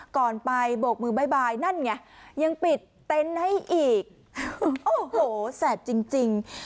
ก่อนไปโบกมือบ๊ายบายนั่นไงยังปิดเต็นต์ให้อีกโอ้โหแสบจริงจริง